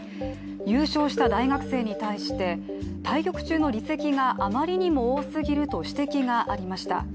優勝した大学生に対して、対局中の離席があまりにも多すぎると指摘がありました。